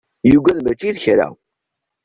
Yugad mačči d kra.